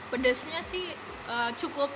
pedesnya sih cukup